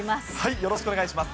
よろしくお願いします。